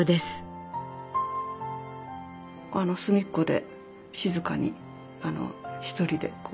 あの隅っこで静かに一人でこう。